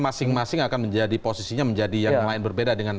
masing masing akan menjadi posisinya menjadi yang lain berbeda dengan